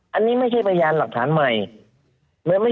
อันนี้ไม่ใช่พยานหลักฐานใหม่